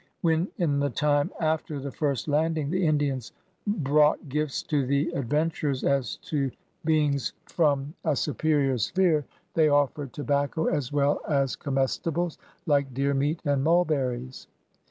When, in the time after the first landing, the Indians brought gifts to the adventurers as to beings from 84 PIONEERS OF THE OLD SOUTH a superior sphere, they offered tobacco as well as comestibles like deer meat and mulberries.